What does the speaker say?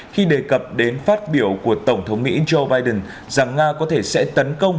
khi đề cập đến phát biểu của tổng thống mỹ joe biden rằng nga có thể sẽ tấn công